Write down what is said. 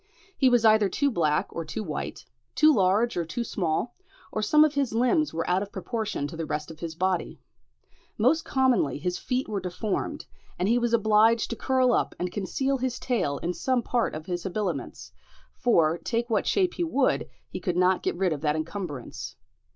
He was either too black or too white, too large or too small, or some of his limbs were out of proportion to the rest of his body. Most commonly his feet were deformed, and he was obliged to curl up and conceal his tail in some part of his habiliments; for, take what shape he would, he could not get rid of that encumbrance.